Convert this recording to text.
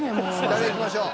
誰いきましょう？